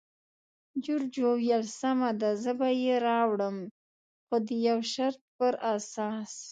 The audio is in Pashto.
جورج وویل: سمه ده، زه به یې راوړم، خو د یو شرط پر اساس.